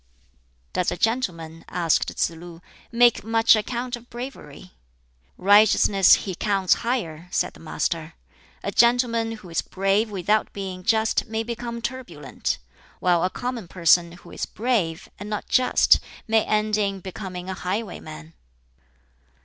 "Does a gentleman," asked Tsz lu, "make much account of bravery?" "Righteousness he counts higher," said the Master. "A gentleman who is brave without being just may become turbulent; while a common person who is brave and not just may end in becoming a highwayman."